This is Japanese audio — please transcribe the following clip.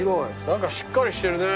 何かしっかりしてるね。